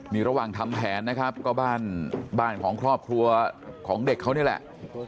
นี่ระหว่างทำแผนนะครับก็บ้านบ้านของครอบครัวของเด็กเขานี่แหละ